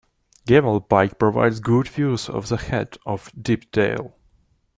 Gavel Pike provides good views of the head of Deepdale.